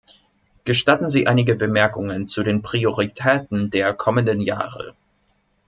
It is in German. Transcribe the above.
Gestatten Sie einige Bemerkungen zu den Prioritäten der kommenden Jahre.